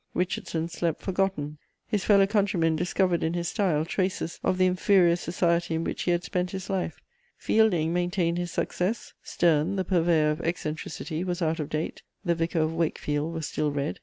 Richardson slept forgotten: his fellow countrymen discovered in his style traces of the inferior society in which he had spent his life. Fielding maintained his success; Sterne, the purveyor of eccentricity, was out of date. The Vicar of Wakefield was still read.